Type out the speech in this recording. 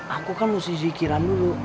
aku kan mau si zikiran dulu